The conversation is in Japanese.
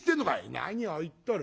「何を言っとる？